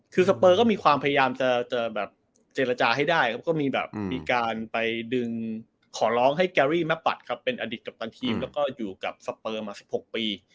คือสเปอร์ก็มีความพยายามจะแบบเจรจาให้ได้ครับก็มีแบบมีการไปดึงขอร้องให้แกรี่แม่ปัดครับเป็นอดีตกัปตันทีมแล้วก็อยู่กับสเปอร์มา๑๖ปี